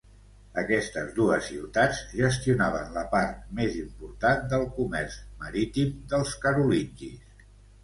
Aquestes dues ciutats gestionaven la part més important del comerç marítim dels carolingis.